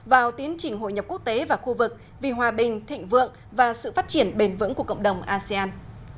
vào tiến trình hội nhập quốc tế và khu vực vì hòa bình thịnh vượng và sự phát triển bền vững của cộng đồng asean